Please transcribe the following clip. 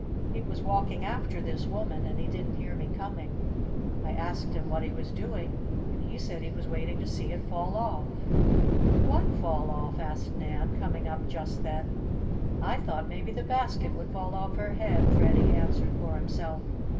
He was walking after this woman, and he didn't hear me coming. I asked him what he was doing, and he said he was waiting to see it fall off." "What fall off?" asked Nan, coming up just then. "I thought maybe the basket would fall off her head," Freddie answered for himself.